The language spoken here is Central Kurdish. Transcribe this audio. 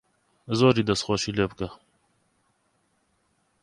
زۆری دەسخۆشی لێ بکە